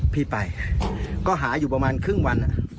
พี่ไปก็หาอยู่ประมาณครึ่งวัน